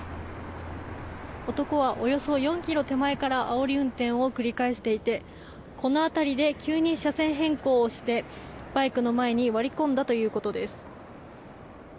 男はおよそ４ｋｍ手前からあおり運転を繰り返していてこの辺りで急に車線変更をしてバイクの前に割り込んだということです。